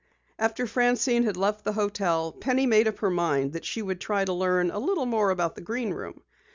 After Francine had left the hotel, Penny made up her mind that she would try to learn a little more about the Green Room.